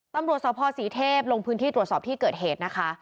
ตำรวจสภศรีเทพลงพื้นที่ตรวจสอบที่เกิดเหตุนะคะ